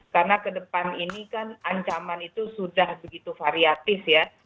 karena ke depan ini kan ancaman itu sudah begitu variatif ya